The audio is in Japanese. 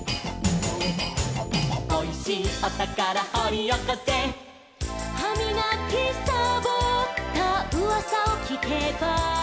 「おいしいおたからほりおこせ」「はみがきさぼったうわさをきけば」